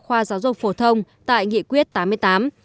chương trình giáo dục phổ thông tại nghị quyết tám mươi tám